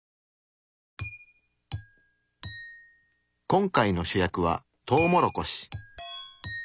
今回の主役はトウモロコシ。